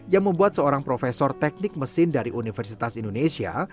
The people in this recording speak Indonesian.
yang membuat seorang profesor teknik mesin dari universitas indonesia